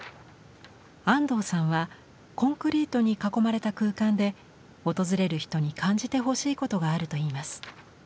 安藤さんはコンクリートに囲まれた空間で訪れる人に感じてほしいことがあるといいます。